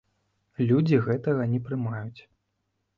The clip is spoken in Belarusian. Людзі гэтага не прымаюць.